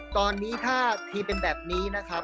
ตอนนี้ถ้าทีมเป็นแบบนี้นะครับ